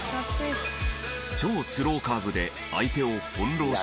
超スローカーブで相手を翻弄し。